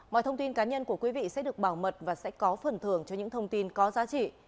mọi thông tin cá nhân của quý vị sẽ được bảo mật và sẽ có phần thưởng cho những thông tin có giá trị